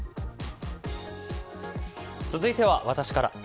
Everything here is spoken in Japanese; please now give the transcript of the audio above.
続いては私から。